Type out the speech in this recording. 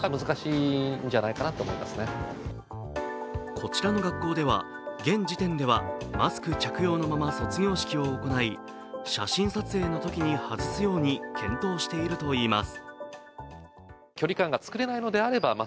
こちらの学校では、現時点ではマスク着用のまま卒業式を行い、写真撮影のときに外すように検討しているといいます。